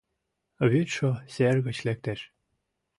Вӱдшӧ сер гыч лектеш